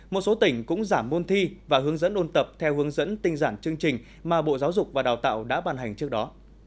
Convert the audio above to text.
một số tỉnh cũng giảm môn thi và hướng dẫn ôn tập theo hướng dẫn tinh giản chương trình mà bộ giáo dục và đào tạo đã bàn hành trước đó